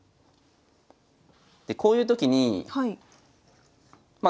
でこういうときにまあ